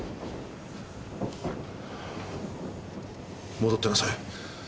戻ってなさい。